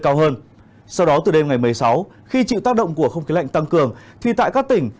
cao hơn sau đó từ đêm ngày một mươi sáu khi chịu tác động của không khí lạnh tăng cường thì tại các tỉnh